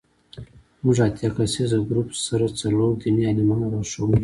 زموږ اتیا کسیز ګروپ سره څلور دیني عالمان او لارښوونکي دي.